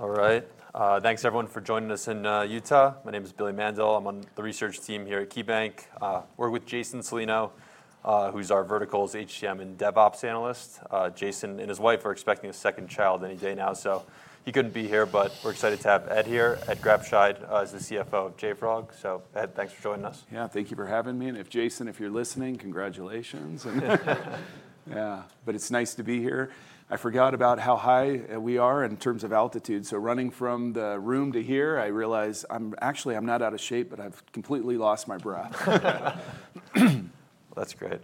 All right. Thanks, everyone, for joining us in Utah. My name is Billy Mandl. I'm on the research team here at KeyBanc. We're with Jason Celino, who's our Verticals HCM and DevOps Analyst. Jason and his wife are expecting a second child any day now, so he couldn't be here, but we're excited to have Ed here. Ed Grabscheid is the CFO of JFrog. Ed, thanks for joining us. Thank you for having me. If Jason, if you're listening, congratulations. It's nice to be here. I forgot about how high we are in terms of altitude. Running from the room to here, I realize I'm actually not out of shape, but I've completely lost my breath. That's great.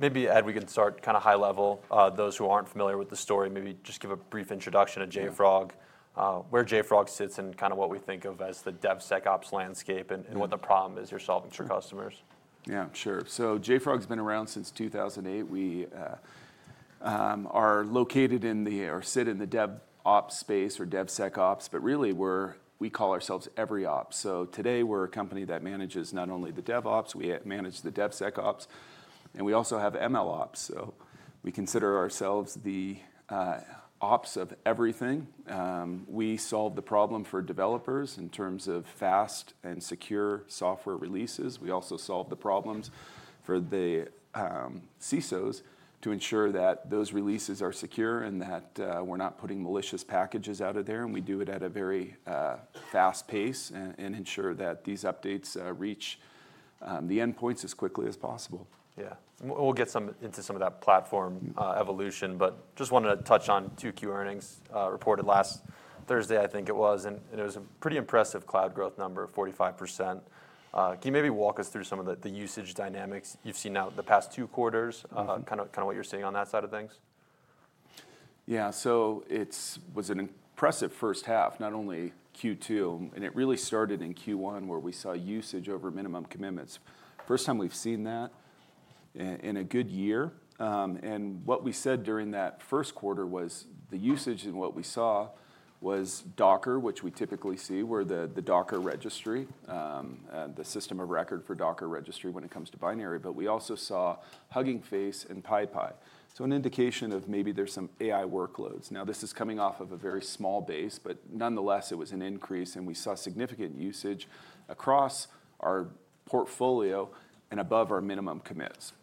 Maybe, Ed, we can start kind of high level. For those who aren't familiar with the story, maybe just give a brief introduction to JFrog, where JFrog sits, and what we think of as the DevSecOps landscape and what the problem is you're solving for customers. Yeah, sure. JFrog's been around since 2008. We are located in the, or sit in the DevOps space or DevSecOps, but really we call ourselves EveryOps. Today we're a company that manages not only the DevOps, we manage the DevSecOps, and we also have MLOps. We consider ourselves the ops of everything. We solve the problem for developers in terms of fast and secure software releases. We also solve the problems for the CISOs to ensure that those releases are secure and that we're not putting malicious packages out there. We do it at a very fast pace and ensure that these updates reach the endpoints as quickly as possible. We'll get into some of that platform evolution, but just wanted to touch on Q2 earnings reported last Thursday, I think it was. It was a pretty impressive cloud growth number, 45%. Can you maybe walk us through some of the usage dynamics you've seen now the past two quarters, kind of what you're seeing on that side of things? Yeah, so it was an impressive first half, not only Q2, and it really started in Q1 where we saw usage over minimum commitments. First time we've seen that in a good year. What we said during that first quarter was the usage and what we saw was Docker, which we typically see where the Docker registry, the system of record for Docker registry when it comes to binary, but we also saw Hugging Face and PyPI. An indication of maybe there's some AI workloads. This is coming off of a very small base, but nonetheless it was an increase and we saw significant usage across our portfolio and above our minimum commits.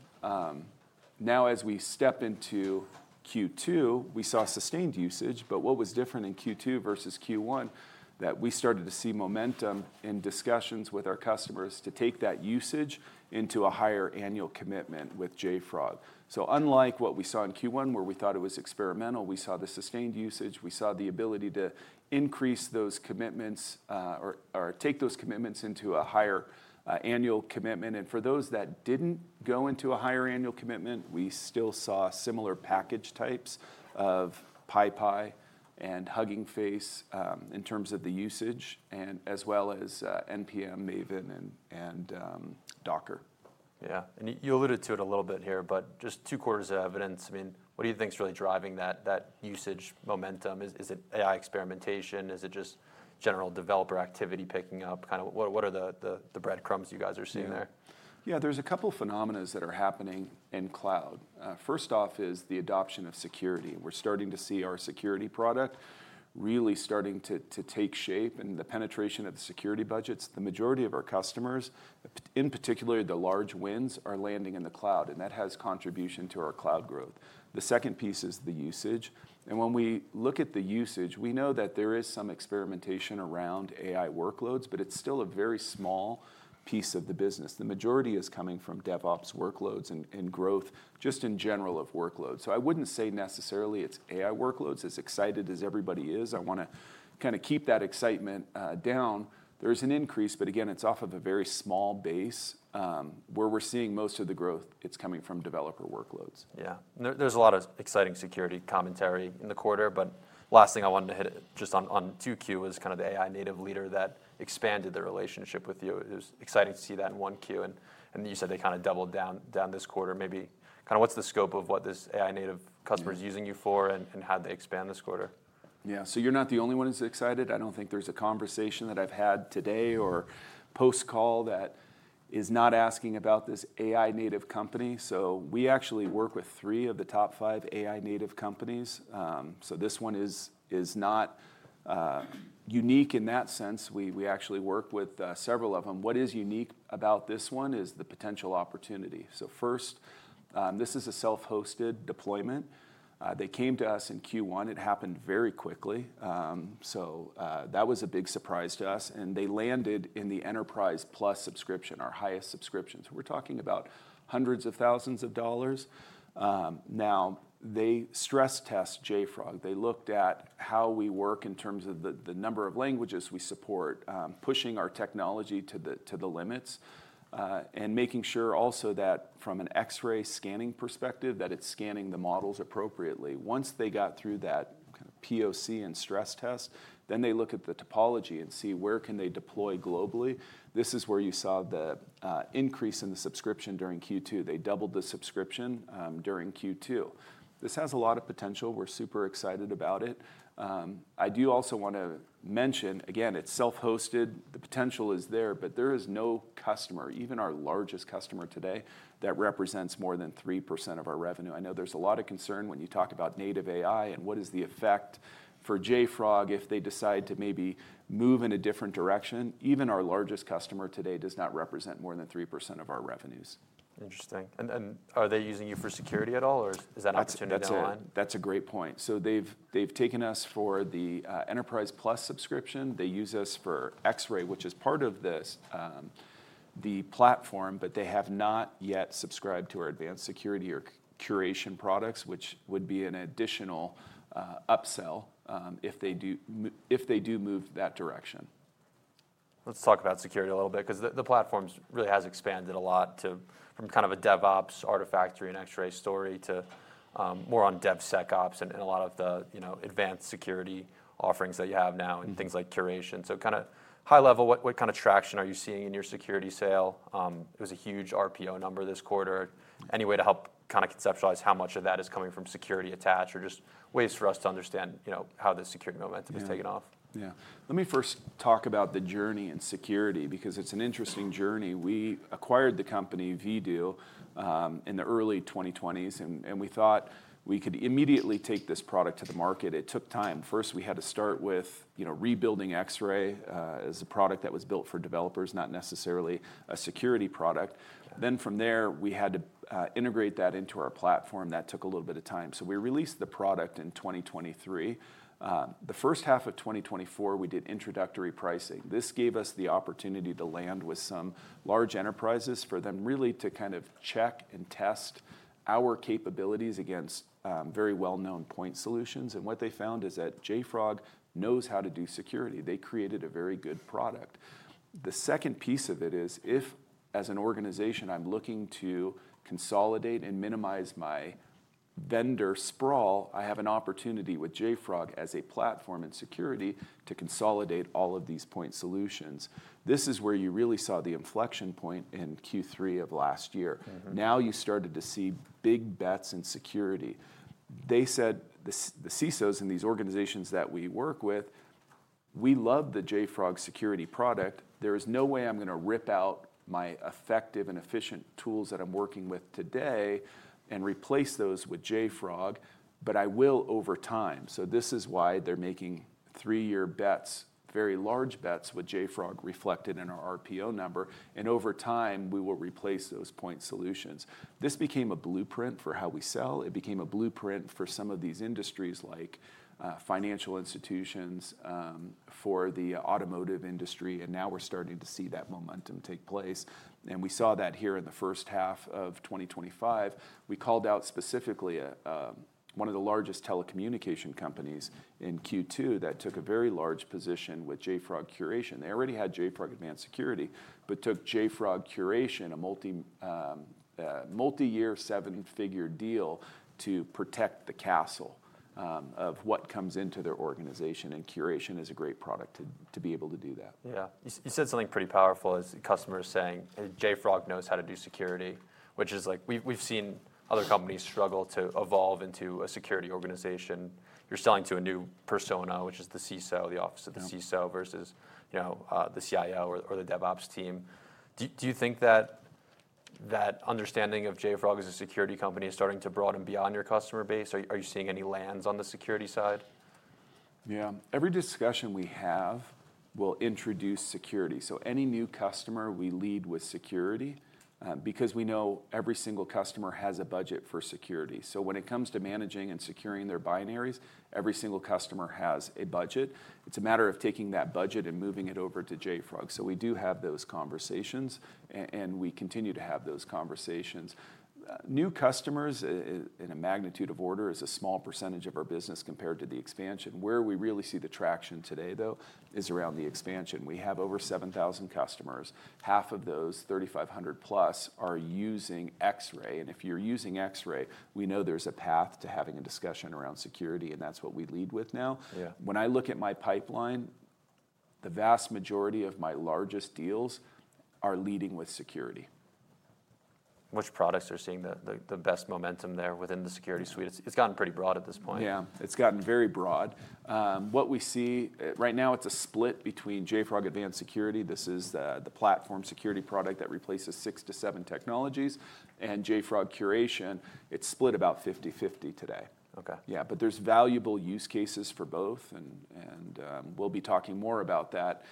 As we stepped into Q2, we saw sustained usage. What was different in Q2 versus Q1 is that we started to see momentum in discussions with our customers to take that usage into a higher annual commitment with JFrog. Unlike what we saw in Q1 where we thought it was experimental, we saw the sustained usage, we saw the ability to increase those commitments or take those commitments into a higher annual commitment. For those that didn't go into a higher annual commitment, we still saw similar package types of PyPI and Hugging Face in terms of the usage as well as NPM, Maven, and Docker. Yeah, and you alluded to it a little bit here, but just two quarters of evidence. I mean, what do you think is really driving that usage momentum? Is it AI experimentation? Is it just general developer activity picking up? Kind of what are the breadcrumbs you guys are seeing there? Yeah, there's a couple of phenomena that are happening in cloud. First off is the adoption of security. We're starting to see our security product really starting to take shape and the penetration of the security budgets. The majority of our customers, in particular the large wins, are landing in the cloud, and that has contribution to our cloud growth. The second piece is the usage. When we look at the usage, we know that there is some experimentation around AI workloads, but it's still a very small piece of the business. The majority is coming from DevOps workloads and growth just in general of workloads. I wouldn't say necessarily it's AI workloads as excited as everybody is. I want to kind of keep that excitement down. There's an increase, but again, it's off of a very small base. Where we're seeing most of the growth, it's coming from developer workloads. Yeah, there's a lot of exciting security commentary in the quarter. Last thing I wanted to hit just on 2Q was kind of the AI-native leader that expanded the relationship with you. It was exciting to see that in 1Q, and you said they kind of doubled down this quarter. Maybe what's the scope of what this AI-native customer is using you for and how they expanded this quarter? Yeah, you're not the only one who's excited. I don't think there's a conversation that I've had today or post-call that is not asking about this AI-native company. We actually work with three of the top five AI-native companies. This one is not unique in that sense. We actually work with several of them. What is unique about this one is the potential opportunity. First, this is a self-hosted deployment. They came to us in Q1. It happened very quickly. That was a big surprise to us, and they landed in the Enterprise+ subscription, our highest subscription. We're talking about hundreds of thousands of dollars. They stress test JFrog. They looked at how we work in terms of the number of languages we support, pushing our technology to the limits, and making sure also that from an Xray scanning perspective, that it's scanning the models appropriately. Once they got through that kind of POC and stress test, they look at the topology and see where they can deploy globally. This is where you saw the increase in the subscription during Q2. They doubled the subscription during Q2. This has a lot of potential. We're super excited about it. I do also want to mention, again, it's self-hosted. The potential is there, but there is no customer, even our largest customer today, that represents more than 3% of our revenue. I know there's a lot of concern when you talk about AI-native and what is the effect for JFrog if they decide to maybe move in a different direction. Even our largest customer today does not represent more than 3% of our revenues. Interesting. Are they using you for security at all, or is that an opportunity down the line? That's a great point. They've taken us for the Enterprise+ subscription. They use us for Xray, which is part of the platform, but they have not yet subscribed to our Advanced Security or Curation products, which would be an additional upsell if they do move that direction. Let's talk about security a little bit, because the platform really has expanded a lot from kind of a DevOps, Artifactory, and Xray story to more on DevSecOps and a lot of the Advanced Security offerings that you have now and things like Curation. At a high level, what kind of traction are you seeing in your security sale? It was a huge RPO number this quarter. Any way to help conceptualize how much of that is coming from security attached or just ways for us to understand how the security momentum has taken off? Let me first talk about the journey in security, because it's an interesting journey. We acquired the company Vdoo in the early 2020s, and we thought we could immediately take this product to the market. It took time. First, we had to start with rebuilding Xray as a product that was built for developers, not necessarily a security product. From there, we had to integrate that into our platform. That took a little bit of time. We released the product in 2023. The first half of 2024, we did introductory pricing. This gave us the opportunity to land with some large enterprises for them really to kind of check and test our capabilities against very well-known point solutions. What they found is that JFrog knows how to do security. They created a very good product. The second piece of it is if, as an organization, I'm looking to consolidate and minimize my vendor sprawl, I have an opportunity with JFrog as a platform in security to consolidate all of these point solutions. This is where you really saw the inflection point in Q3 of last year. Now you started to see big bets in security. They said the CISOs in these organizations that we work with, we love the JFrog security product. There is no way I'm going to rip out my effective and efficient tools that I'm working with today and replace those with JFrog, but I will over time. This is why they're making three-year bets, very large bets with JFrog reflected in our RPO number, and over time we will replace those point solutions. This became a blueprint for how we sell. It became a blueprint for some of these industries like financial institutions, for the automotive industry, and now we're starting to see that momentum take place. We saw that here in the first half of 2025. We called out specifically one of the largest telecommunication companies in Q2 that took a very large position with JFrog Curation. They already had JFrog Advanced Security, but took JFrog Curation, a multi-year seven-figure deal to protect the castle of what comes into their organization, and Curation is a great product to be able to do that. Yeah, you said something pretty powerful as customers saying, JFrog knows how to do security, which is like we've seen other companies struggle to evolve into a security organization. You're selling to a new persona, which is the CISO, the office of the CISO versus the CIO or the DevOps team. Do you think that understanding of JFrog as a security company is starting to broaden beyond your customer base? Are you seeing any lands on the security side? Yeah, every discussion we have will introduce security. Any new customer we lead with security, because we know every single customer has a budget for security. When it comes to managing and securing their binaries, every single customer has a budget. It's a matter of taking that budget and moving it over to JFrog. We do have those conversations, and we continue to have those conversations. New customers in a magnitude of order is a small percentage of our business compared to the expansion. Where we really see the traction today, though, is around the expansion. We have over 7,000 customers. Half of those, 3,500+, are using Xray. If you're using Xray, we know there's a path to having a discussion around security, and that's what we lead with now. When I look at my pipeline, the vast majority of my largest deals are leading with security. Which products are seeing the best momentum there within the security suite? It's gotten pretty broad at this point. Yeah, it's gotten very broad. What we see right now, it's a split between JFrog Advanced Security, which is the platform security product that replaces six to seven technologies, and JFrog Curation. It's split about 50/50 today. Okay. Yeah, there's valuable use cases for both, and we'll be talking more about that,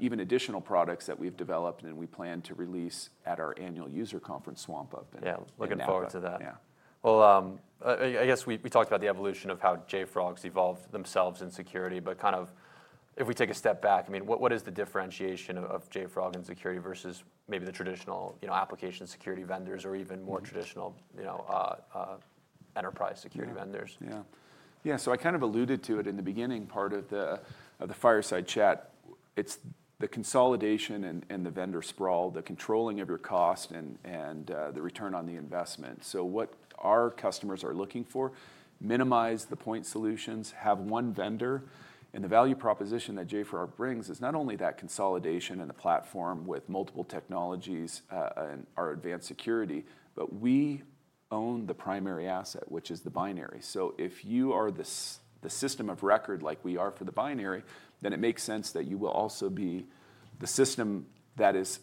even additional products that we've developed and we plan to release at our annual user conference, SwampUP. Yeah, looking forward to that. Yeah. I guess we talked about the evolution of how JFrog's evolved themselves in security, but if we take a step back, I mean, what is the differentiation of JFrog in security versus maybe the traditional application security vendors or even more traditional enterprise security vendors? Yeah, I kind of alluded to it in the beginning part of the fireside chat. It's the consolidation and the vendor sprawl, the controlling of your cost and the return on the investment. What our customers are looking for is to minimize the point solutions, have one vendor, and the value proposition that JFrog brings is not only that consolidation and the platform with multiple technologies and our Advanced Security, but we own the primary asset, which is the binary. If you are the system of record like we are for the binary, then it makes sense that you will also be the system that is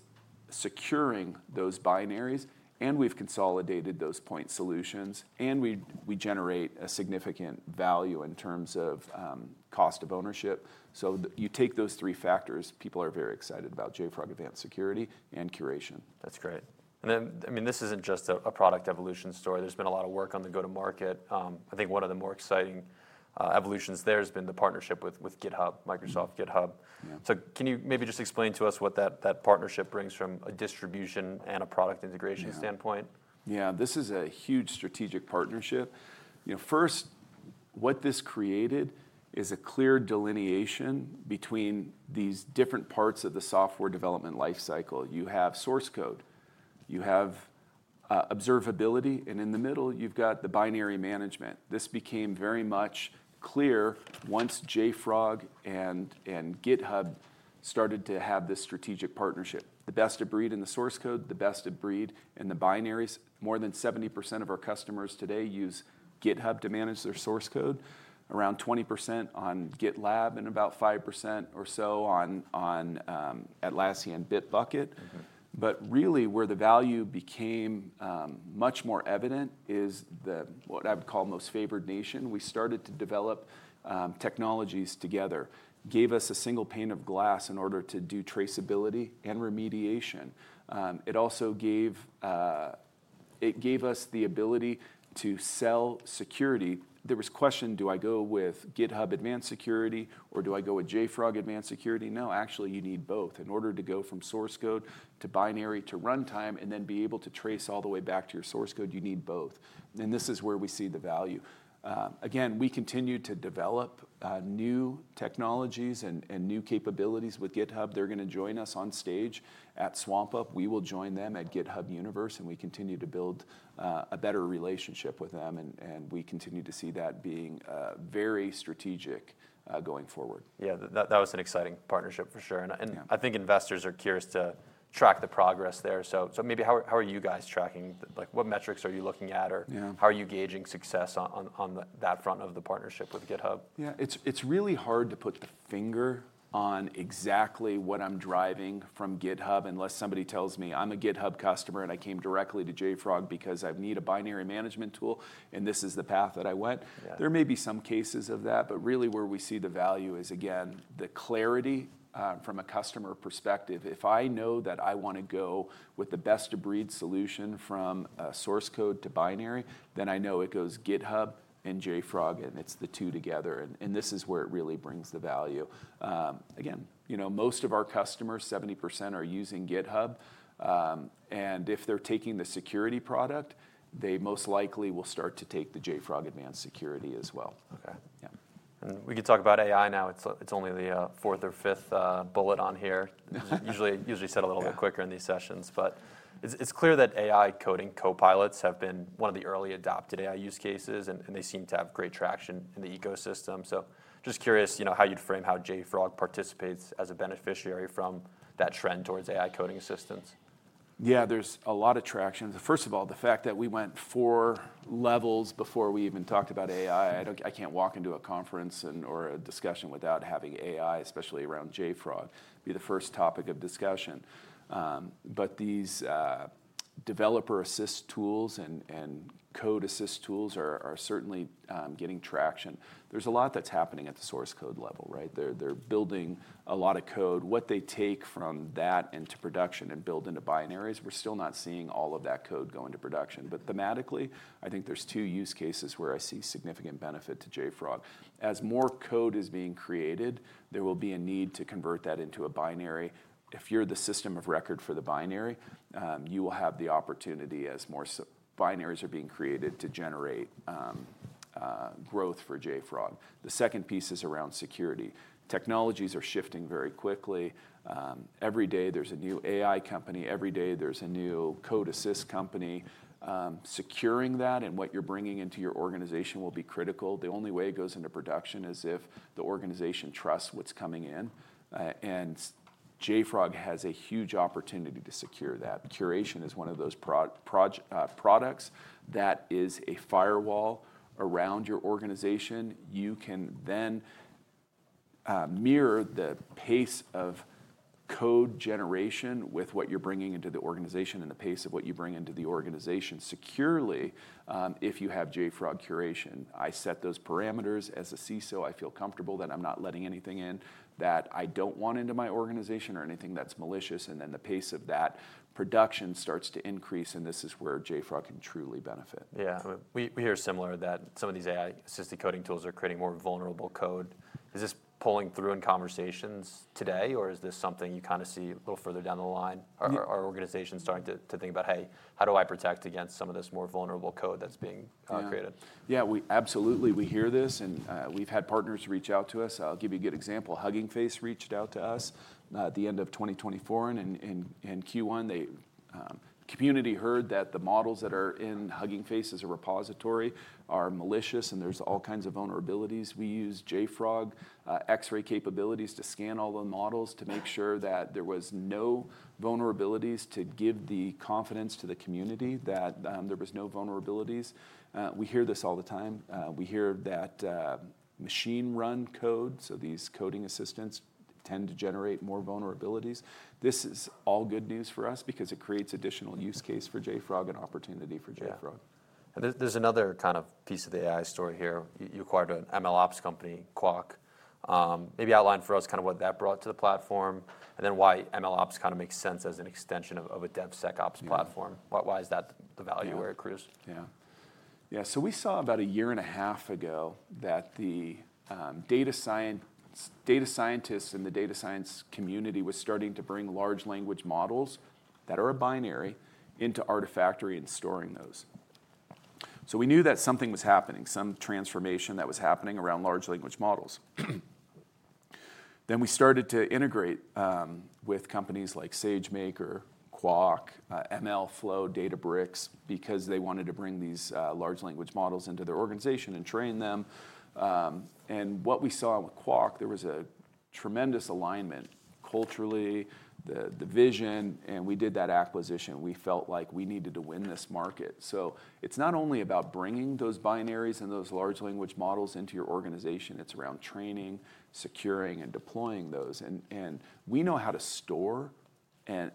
securing those binaries. We've consolidated those point solutions, and we generate a significant value in terms of cost of ownership. You take those three factors, people are very excited about JFrog Advanced Security and Curation. That's great. I mean, this isn't just a product evolution story. There's been a lot of work on the go-to-market. I think one of the more exciting evolutions there has been the partnership with GitHub, Microsoft GitHub. Can you maybe just explain to us what that partnership brings from a distribution and a product integration standpoint? Yeah, this is a huge strategic partnership. First, what this created is a clear delineation between these different parts of the software development lifecycle. You have source code, you have observability, and in the middle, you've got the binary management. This became very much clear once JFrog and GitHub started to have this strategic partnership. The best of breed in the source code, the best of breed in the binaries. More than 70% of our customers today use GitHub to manage their source code, around 20% on GitLab, and about 5% or so on Atlassian Bitbucket. Where the value became much more evident is what I would call most favored nation. We started to develop technologies together, gave us a single pane of glass in order to do traceability and remediation. It also gave us the ability to sell security. There was a question, do I go with GitHub Advanced Security or do I go with JFrog Advanced Security? No, actually, you need both. In order to go from source code to binary to runtime and then be able to trace all the way back to your source code, you need both. This is where we see the value. We continue to develop new technologies and new capabilities with GitHub. They're going to join us on stage at SwampUP. We will join them at GitHub Universe, and we continue to build a better relationship with them. We continue to see that being very strategic going forward. Yeah, that was an exciting partnership for sure. I think investors are curious to track the progress there. Maybe how are you guys tracking? What metrics are you looking at? How are you gauging success on that front of the partnership with GitHub? Yeah, it's really hard to put the finger on exactly what I'm driving from GitHub unless somebody tells me I'm a GitHub customer and I came directly to JFrog because I need a binary management tool and this is the path that I went. There may be some cases of that, but really where we see the value is, again, the clarity from a customer perspective. If I know that I want to go with the best-of-breed solution from source code to binary, then I know it goes GitHub and JFrog and it's the two together. This is where it really brings the value. Most of our customers, 70%, are using GitHub. If they're taking the security product, they most likely will start to take the JFrog Advanced Security as well. Okay. Yeah. We could talk about AI now. It's only the fourth or fifth bullet on here. Usually said a little bit quicker in these sessions, but it's clear that AI coding, copilots have been one of the early adopted AI use cases, and they seem to have great traction in the ecosystem. Just curious, you know, how you'd frame how JFrog participates as a beneficiary from that trend towards AI coding assistance. Yeah, there's a lot of traction. First of all, the fact that we went four levels before we even talked about AI. I can't walk into a conference or a discussion without having AI, especially around JFrog, be the first topic of discussion. These developer assist tools and code assist tools are certainly getting traction. There's a lot that's happening at the source code level, right? They're building a lot of code. What they take from that into production and build into binaries, we're still not seeing all of that code go into production. Thematically, I think there's two use cases where I see significant benefit to JFrog. As more code is being created, there will be a need to convert that into a binary. If you're the system of record for the binary, you will have the opportunity as more binaries are being created to generate growth for JFrog. The second piece is around security. Technologies are shifting very quickly. Every day there's a new AI company, every day there's a new code assist company. Securing that and what you're bringing into your organization will be critical. The only way it goes into production is if the organization trusts what's coming in. JFrog has a huge opportunity to secure that. Curation is one of those products that is a firewall around your organization. You can then mirror the pace of code generation with what you're bringing into the organization and the pace of what you bring into the organization securely. If you have JFrog Curation, I set those parameters as a CISO. I feel comfortable that I'm not letting anything in that I don't want into my organization or anything that's malicious. The pace of that production starts to increase, and this is where JFrog can truly benefit. Yeah, we hear similar that some of these AI-assisted coding tools are creating more vulnerable code. Is this pulling through in conversations today, or is this something you kind of see a little further down the line? Are organizations starting to think about, hey, how do I protect against some of this more vulnerable code that's being created? Yeah, we absolutely hear this, and we've had partners reach out to us. I'll give you a good example. Hugging Face reached out to us at the end of 2024 and in Q1. The community heard that the models that are in Hugging Face as a repository are malicious, and there's all kinds of vulnerabilities. We use JFrog Xray capabilities to scan all the models to make sure that there were no vulnerabilities, to give the confidence to the community that there were no vulnerabilities. We hear this all the time. We hear that machine-run code, so these coding assistants tend to generate more vulnerabilities. This is all good news for us because it creates additional use case for JFrog and opportunity for JFrog. There's another kind of piece of the AI story here. You acquired an MLOps company, Qwak. Maybe outline for us kind of what that brought to the platform, and then why MLOps kind of makes sense as an extension of a DevSecOps platform. Why is that the value where it accrues? Yeah, yeah, we saw about a year and a half ago that the data scientists in the data science community were starting to bring large language models that are a binary into Artifactory and storing those. We knew that something was happening, some transformation that was happening around large language models. We started to integrate with companies like SageMaker, Qwak, MLflow, Databricks because they wanted to bring these large language models into their organization and train them. What we saw with Qwak, there was a tremendous alignment culturally, the vision, and we did that acquisition. We felt like we needed to win this market. It's not only about bringing those binaries and those large language models into your organization, it's around training, securing, and deploying those. We know how to store and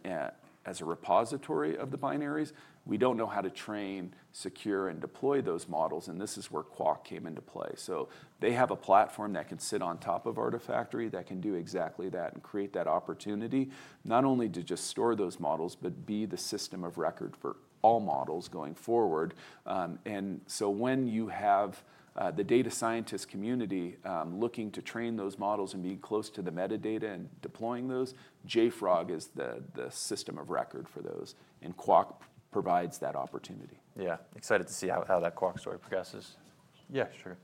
as a repository of the [fineries], we don't know how to train, secure, and deploy those models. This is where Qwak came into play. They have a platform that can sit on top of Artifactory that can do exactly that and create that opportunity, not only to just store those models but be the system of record for all models going forward. When you have the data scientist community looking to train those models and be close to the metadata and deploying those, JFrog is the system of record for those, and Qwak provides that opportunity. Yeah, excited to see how that Qwak story progresses. Yeah, sure.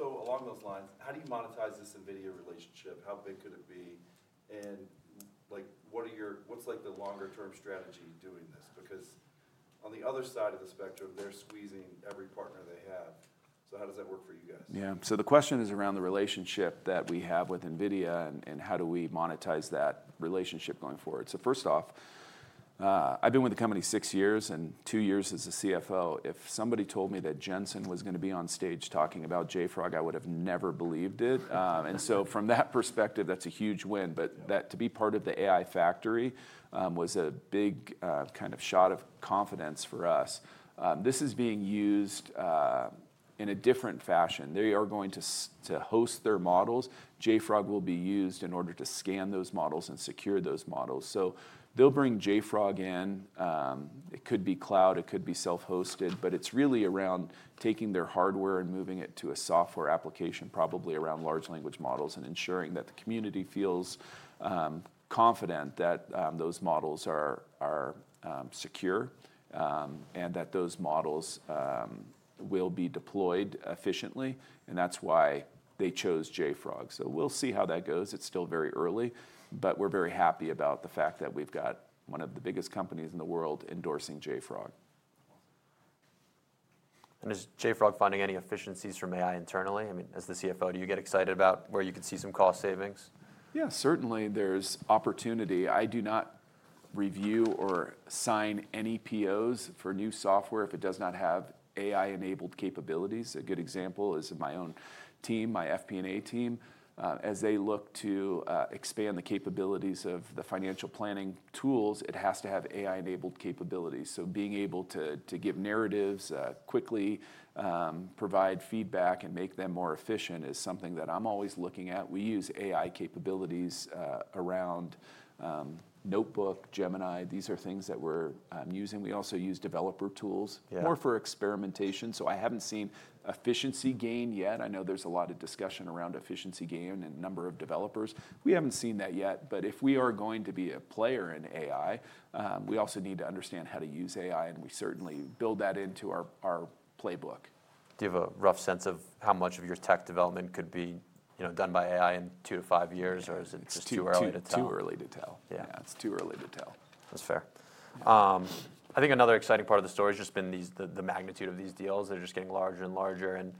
Along those lines, how do you monetize this NVIDIA relationship? How big could it be? What's the longer-term strategy doing this? Because on the other side of the spectrum, they're squeezing every partner. How does that work for you guys? Yeah, so the question is around the relationship that we have with NVIDIA and how do we monetize that relationship going forward. First off, I've been with the company six years and two years as the CFO. If somebody told me that Jensen was going to be on stage talking about JFrog, I would have never believed it. From that perspective, that's a huge win. To be part of the AI factory was a big kind of shot of confidence for us. This is being used in a different fashion. They are going to host their models. JFrog will be used in order to scan those models and secure those models. They'll bring JFrog in. It could be cloud, it could be self-hosted, but it's really around taking their hardware and moving it to a software application, probably around large language models and ensuring that the community feels confident that those models are secure and that those models will be deployed efficiently. That's why they chose JFrog. We'll see how that goes. It's still very early, but we're very happy about the fact that we've got one of the biggest companies in the world endorsing JFrog. Is JFrog finding any efficiencies from AI internally? I mean, as the CFO, do you get excited about where you could see some cost savings? Yeah, certainly there's opportunity. I do not review or sign any POs for new software if it does not have AI-enabled capabilities. A good example is my own team, my FP&A team. As they look to expand the capabilities of the financial planning tools, it has to have AI-enabled capabilities. Being able to give narratives quickly, provide feedback, and make them more efficient is something that I'm always looking at. We use AI capabilities around Notebook, Gemini. These are things that we're using. We also use developer tools more for experimentation. I haven't seen efficiency gain yet. I know there's a lot of discussion around efficiency gain in a number of developers. We haven't seen that yet. If we are going to be a player in AI, we also need to understand how to use AI, and we certainly build that into our playbook. Do you have a rough sense of how much of your tech development could be done by AI in two to five years, or is it just too early to tell? It's too early to tell. It's too early to tell. That's fair. I think another exciting part of the story has just been the magnitude of these deals. They're just getting larger and larger, and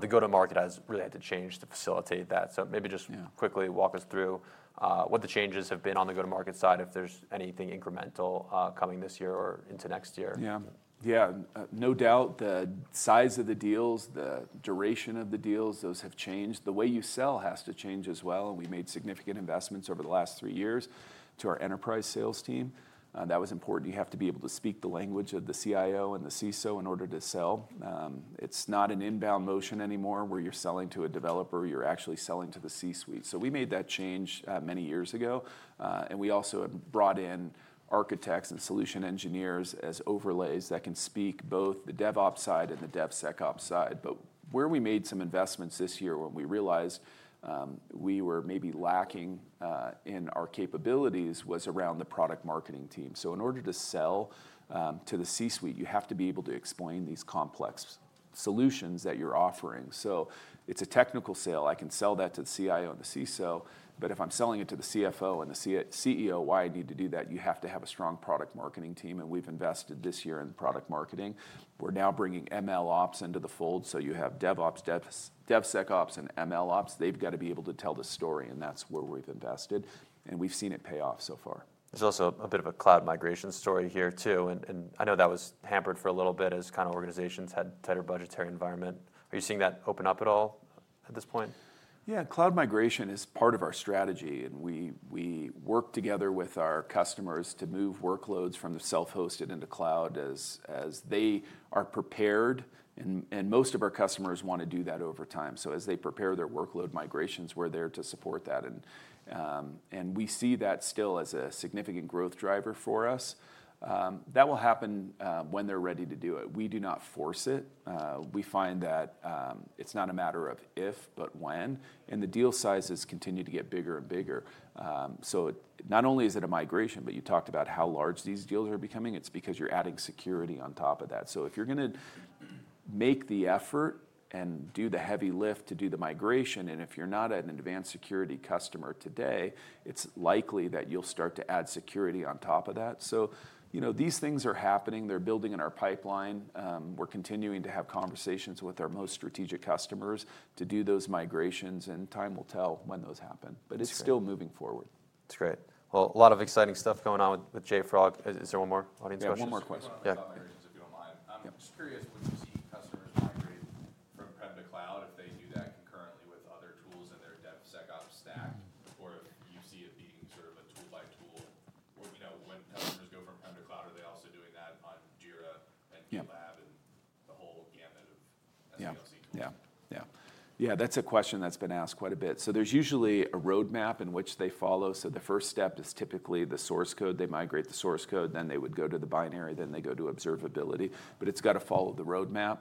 the go-to-market has really had to change to facilitate that. Maybe just quickly walk us through what the changes have been on the go-to-market side, if there's anything incremental coming this year or into next year. Yeah, no doubt the size of the deals, the duration of the deals, those have changed. The way you sell has to change as well. We made significant investments over the last three years to our enterprise sales team. That was important. You have to be able to speak the language of the CIO and the CISO in order to sell. It's not an inbound motion anymore where you're selling to a developer. You're actually selling to the C-suite. We made that change many years ago. We also brought in architects and solution engineers as overlays that can speak both the DevOps side and the DevSecOps side. Where we made some investments this year when we realized we were maybe lacking in our capabilities was around the product marketing team. In order to sell to the C-suite, you have to be able to explain these complex solutions that you're offering. It's a technical sale. I can sell that to the CIO and the CISO, but if I'm selling it to the CFO and the CEO, why I need to do that, you have to have a strong product marketing team. We've invested this year in product marketing. We're now bringing MLOps into the fold. You have DevOps, DevSecOps, and MLOps. They've got to be able to tell the story, and that's where we've invested. We've seen it pay off so far. There's also a bit of a cloud migration story here too. I know that was hampered for a little bit as organizations had a tighter budgetary environment. Are you seeing that open up at all at this point? Yeah, cloud migration is part of our strategy. We work together with our customers to move workloads from the self-hosted into cloud as they are prepared. Most of our customers want to do that over time. As they prepare their workload migrations, we're there to support that. We see that still as a significant growth driver for us. That will happen when they're ready to do it. We do not force it. We find that it's not a matter of if, but when. The deal sizes continue to get bigger and bigger. Not only is it a migration, but you talked about how large these deals are becoming. It's because you're adding security on top of that. If you're going to make the effort and do the heavy lift to do the migration, and if you're not an Advanced Security customer today, it's likely that you'll start to add security on top of that. These things are happening. They're building in our pipeline. We're continuing to have conversations with our most strategic customers to do those migrations, and time will tell when those happen. It's still moving forward. That's great. A lot of exciting stuff going on with JFrog. Is there one more audience question? Yeah, one more question. Yeah. I'm just curious, when you see customers migrate from on-prem to cloud, if they do that concurrently with other tools in their DevSecOps stack, or if you see it being sort of a tool by tool, or you know, when customers go from on-prem to cloud, are they also doing that on Jira, GitLab, and the whole gamut of things? Yeah, that's a question that's been asked quite a bit. There's usually a roadmap in which they follow. The first step is typically the source code. They migrate the source code, then they would go to the binary, then they go to observability. It's got to follow the roadmap.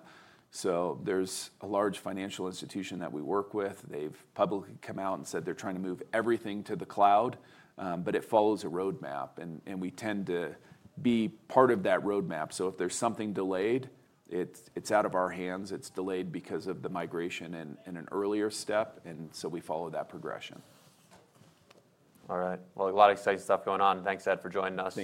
There's a large financial institution that we work with. They've publicly come out and said they're trying to move everything to the cloud, but it follows a roadmap. We tend to be part of that roadmap. If there's something delayed, it's out of our hands. It's delayed because of the migration and an earlier step. We follow that progression. All right. A lot of exciting stuff going on. Thanks, Ed, for joining us.